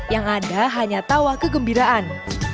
yang ada hanya tawa kegembiraan